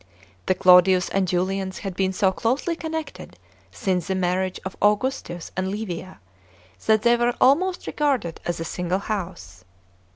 The Claudians and Julians had been so closely connected since the marriage of Augu.^tus and Li via that they were almost regarded as a single house.